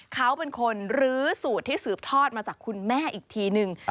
เขาเป็นคนรื้อสูตรที่สืบทอดมาจากคุณแม่อีกทีนึง